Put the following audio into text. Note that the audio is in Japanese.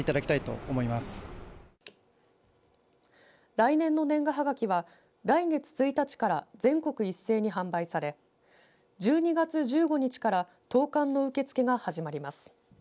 来年の年賀はがきは来月１日から全国一斉に販売され１２月１５日から投かんの受け付けが始まります。